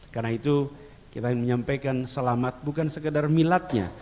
karena itu kita menyampaikan selamat bukan sekadar milatnya